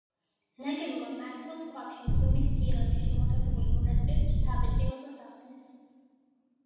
ნაგებობა მართლაც ქვაბში, მღვიმის სიღრმეში მოთავსებული მონასტრის შთაბეჭდილებას ახდენს.